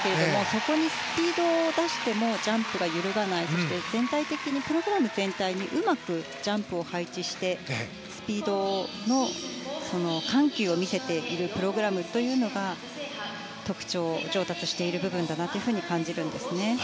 そこに、スピードを出してもジャンプが揺るがず、そして全体的にプログラム全体にうまくジャンプを配置してスピードの緩急を見せているプログラムというのが特徴、上達している部分だなと感じるんですね。